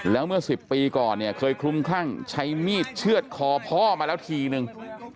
แล้วเมื่อ๑๐ปีก่อนเนี่ยเคยคลุมคลั่งใช้มีดเชื่อดคอพ่อมาแล้วทีนึง